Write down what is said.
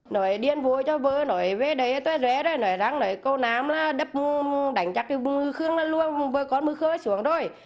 nói điên vô cho vợ nói về đây tôi rẽ rồi nói rằng câu nam là đập đánh chặt cái mưu khương là luôn vợ con mưu khương xuống rồi